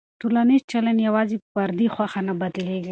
ټولنیز چلند یوازې په فردي خوښه نه بدلېږي.